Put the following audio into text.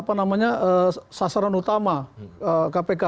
apa namanya sasaran utama kpk